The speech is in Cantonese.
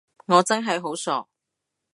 我真係好傻